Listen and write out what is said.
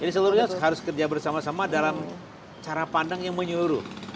jadi seluruhnya harus kerja bersama sama dalam cara pandang yang menyuruh